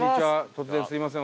突然すみません。